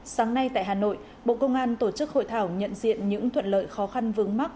sáng nay tại hà nội bộ công an tổ chức hội thảo nhận diện những thuận lợi khó khăn vướng mắt